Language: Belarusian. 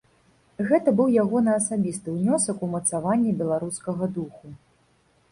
Гэта быў ягоны асабісты ўнёсак у мацаванне беларускага духу.